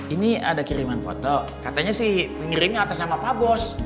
ini ada kiriman foto katanya sih pengirimnya atas nama pak bos